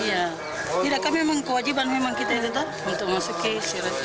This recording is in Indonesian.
ya tidakkan memang kewajiban kita untuk masuk ke ibadah